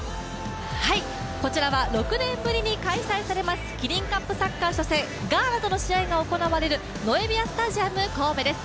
こちらは６年ぶりに開催されまるキリンカップサッカー初戦、ガーナとの試合が行われるノエビアスタジアム神戸です。